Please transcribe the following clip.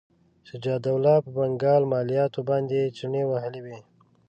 شجاع الدوله په بنګال مالیاتو باندې چنې وهلې وې.